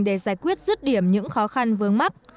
để giải quyết rứt điểm những khó khăn vướng mắt